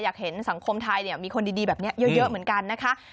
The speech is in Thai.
อยากเห็นสังคมไทยมีคนดีแบบนี้เยอะเหมือนกันนะคะ